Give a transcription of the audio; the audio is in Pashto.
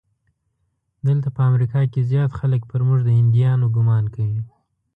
دلته په امریکا کې زیات خلک پر موږ د هندیانو ګومان کوي.